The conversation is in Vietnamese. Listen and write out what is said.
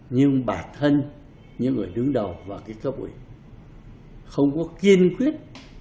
nhưng bản thân những người đứng đầu và cái cấp ủy không có kiên quyết